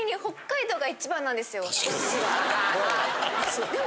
でも。